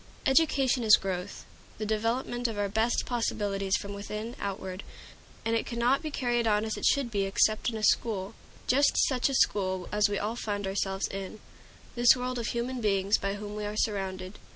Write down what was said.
Education is growth, the development of our best possibilities from within outward; and it cannot be carried on as it should be except in a school, just such a school as we all find ourselves in this world of human beings by whom we are surrounded.